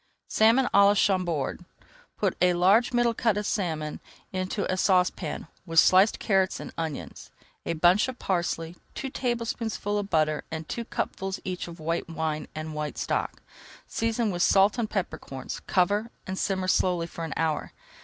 SALMON À LA CHAMBORD Put a large middle cut of salmon into a saucepan with sliced carrots and onions, a bunch of parsley, two tablespoonfuls of butter and two cupfuls each of white wine and white stock. Season with salt and pepper corns, cover, and simmer slowly for an hour.